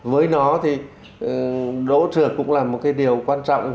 với nó thì đỗ trượt cũng là một cái điều quan trọng